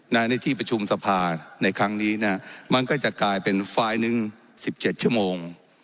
ในที่ประชุมสภาในครั้งนี้มันก็จะกลายเป็นไฟล์หนึ่ง๑๗ชั่วโมง